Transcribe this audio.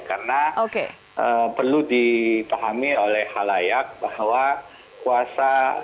karena perlu dipahami oleh halayak bahwa kuasa